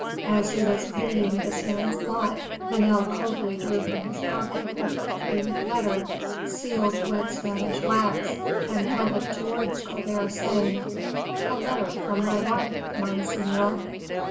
As he was pitying this man's lot, Vanel coldly drew from his pocket a perfumed letter, sealed with Spanish wax, and held it towards Colbert, saying, "A letter from my wife, monseigneur."